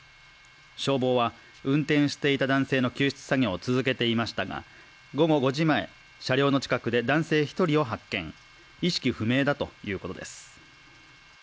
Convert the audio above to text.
消防は運転していた男性の救出作業を続けていましたが午後５時前、車両の近くで男性１人を発見、意識不明だということです。